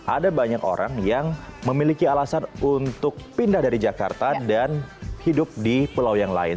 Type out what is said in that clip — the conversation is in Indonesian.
ada banyak orang yang memiliki alasan untuk pindah dari jakarta dan hidup di pulau yang lain